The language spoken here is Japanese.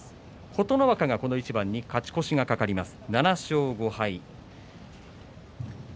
琴ノ若が、この一番に勝ち越しが懸かります。